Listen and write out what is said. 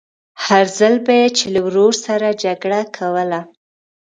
هر ځل به يې چې له ورور سره جګړه کوله.